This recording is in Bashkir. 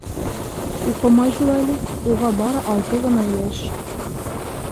Уҡымай шул әле, уға бары алты ғына йәш.